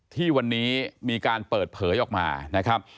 ที่วันนี้มีการเปิดเผยออกมานะครับ